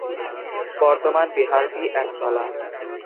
বর্তমান বিহারটি একতলা।